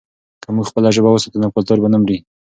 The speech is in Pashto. که موږ خپله ژبه وساتو، نو کلتور به نه مري.